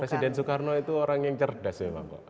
presiden soekarno itu orang yang cerdas memang kok